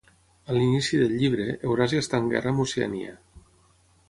A l'inici del llibre, Euràsia està en guerra amb Oceania.